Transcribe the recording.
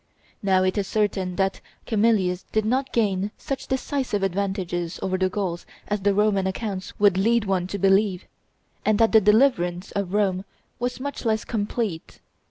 Now, it is certain that Camillus did not gain such decisive advantages over the Gauls as the Roman accounts would lead one to believe, and that the deliverance of Rome was much less complete.